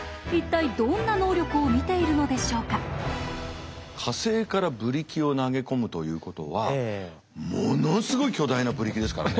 一体火星からブリキを投げ込むということはものすごい巨大なブリキですからね。